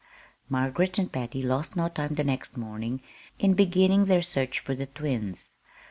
Margaret and Patty lost no time the next morning in beginning their search for the twins.